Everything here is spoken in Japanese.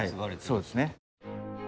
はいそうですね。